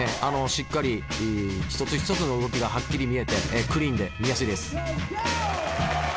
しっかり一つ一つの動きがはっきり見えてクリーンで見やすいです。